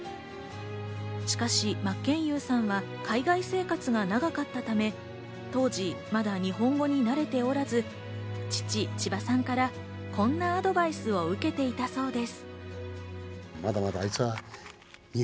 しかし、真剣佑さんは海外生活が長かったため、当時まだ日本語に慣れておらず、父・千葉さんからこんなアドバイスを受けていたそうです。